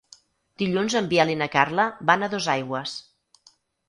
Dilluns en Biel i na Carla van a Dosaigües.